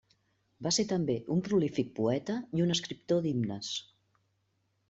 Va ser també un prolífic poeta i un escriptor d'himnes.